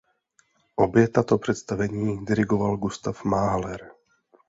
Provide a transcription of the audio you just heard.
Obě tato představení dirigoval Gustav Mahler.